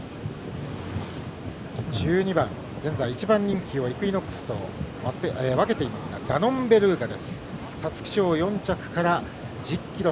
１２番現在、１番人気をイクイノックスと分けていますがダノンベルーガ。